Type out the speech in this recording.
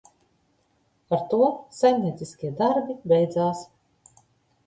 Ar to saimnieciskie darbi beidzās.